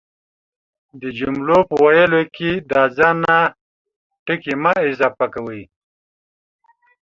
د جملو په ويلو کی دا ځان نه ټکي مه اضافه کوئ،